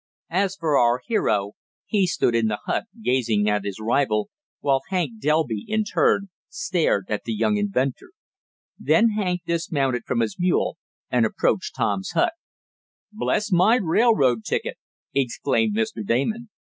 As for our hero, he stood in the hut gazing at his rival, while Hank Delby, in turn, stared at the young inventor. Then Hank dismounted from his mule and approached Tom's hut. "Bless my railroad ticket!" exclaimed Mr. Damon.